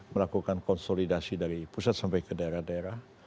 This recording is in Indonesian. melakukan konsolidasi dari pusat sampai ke daerah daerah